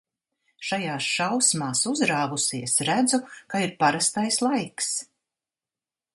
Šajās šausmās uzrāvusies, redzu, ka ir parastais laiks.